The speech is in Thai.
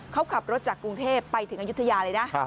เขาขับรถจากกรุงเทพไปถึงอายุทยาเลยนะ